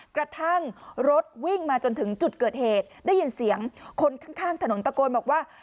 กระทั่งรถวิ่งมาจนถึงจุดเกิดเหตุได้ยินเสียงคนข้างถนนตะโกนบอกว่า